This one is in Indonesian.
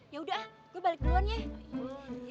ya udah gue balik duluan deh